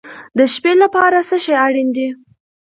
د شپې لپاره څه شی اړین دی؟